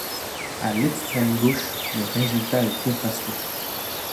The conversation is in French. À l'extrême-gauche, le résultat est contrasté.